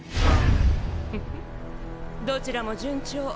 フフどちらも順調。